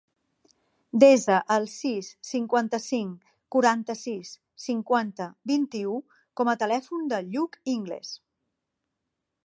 Desa el sis, cinquanta-cinc, quaranta-sis, cinquanta, vint-i-u com a telèfon del Lluc Ingles.